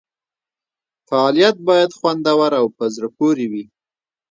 فعالیت باید خوندور او په زړه پورې وي.